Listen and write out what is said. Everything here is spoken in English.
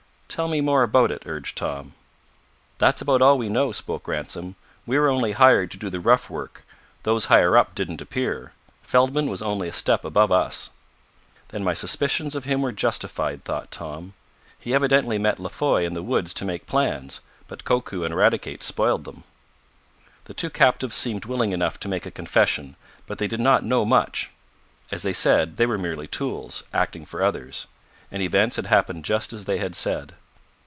"Tell me more about it," urged Tom. "That's about all we know," spoke Ransom. "We were only hired to do the rough work. Those higher up didn't appear. Feldman was only a step above us." "Then my suspicions of him were justified," thought Tom. "He evidently met La Foy in the woods to make plans. But Koku and Eradicate spoiled them." The two captives seemed willing enough to make a confession, but they did not know much. As they said, they were merely tools, acting for others. And events had happened just as they had said.